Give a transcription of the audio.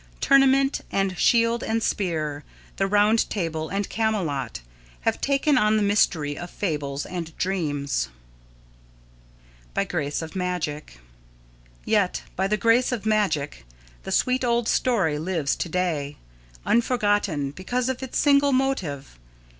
Tournament and shield and spear, the Round Table and Camelot, have taken on the mystery of fables and dreams. [Sidenote: By Grace of Magic] Yet, by the grace of magic, the sweet old story lives to day, unforgotten, because of its single motive.